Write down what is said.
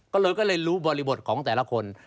ก็เลยรู้บริบทของแต่ละคน